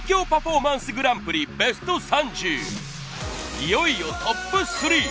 いよいよトップ３。